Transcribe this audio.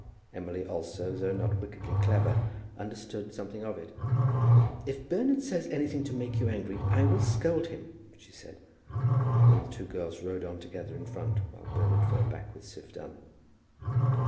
Emily also, though not wickedly clever, understood something of it. "If Bernard says anything to make you angry, I will scold him," she said. Then the two girls rode on together in front, while Bernard fell back with Siph Dunn.